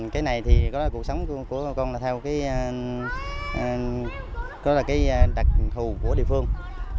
cái này thì cuộc sống của con là theo cái đặc thù của địa phương